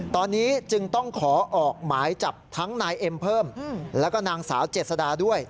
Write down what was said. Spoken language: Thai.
ตอนนี้จึงต้องขอออกหมายจับทั้งนายเอ็มเพิ่มแล้วก็นางสาวเจษดาด้วย